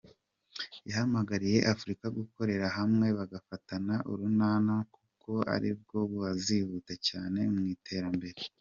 Yahamagariye Afrika gukorera hamwe bagafatana urunana kuko ari bwo bazihuta cyane mu iterambere.